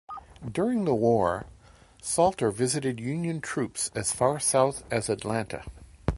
During the war, Salter visited Union troops as far south as Atlanta.